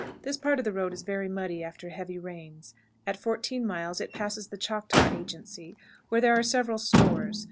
This part of the road is very muddy after heavy rains. At 14 miles it passes the Choctaw Agency, where there are several stores.